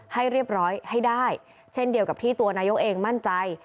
ให้เรียบร้อยให้ได้เช่นเดียวกับที่ตัวนายกเองมั่นใจ